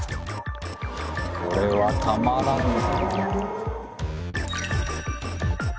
これはたまらんな。